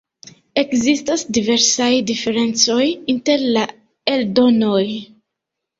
Ekzistas diversaj diferencoj inter la eldonoj.